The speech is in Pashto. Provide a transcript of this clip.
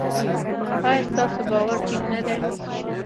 ایا ستاسو باور ټینګ نه دی؟